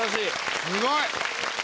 すごい！